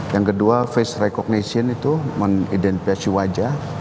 yang kedua face recognition itu mengidentifikasi wajah